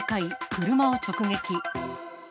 車を直撃。